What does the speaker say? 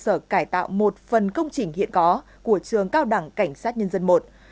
cơ sở cải tạo một phần công trình hiện có của trường cao đẳng cảnh sát nhân dân i